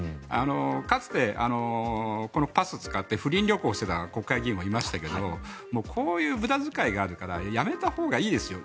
かつて、このパスを使って不倫旅行をしていた国会議員もいましたけどこういう無駄遣いがあるからやめたほうがいいですよ。